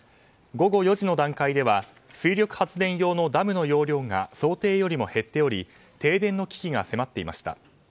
午後４時の段階では水力発電用のダムの容量が想定よりも減っており停電の危機が迫っていました。